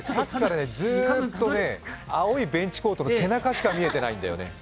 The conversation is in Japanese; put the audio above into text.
ずーっと青いベンチコートの背中しか見えていないんだよね。